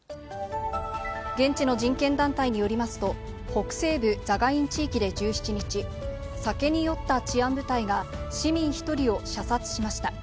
現地の人権団体によりますと、北西部ザガイン地域で１７日、酒に酔った治安部隊が、市民１人を射殺しました。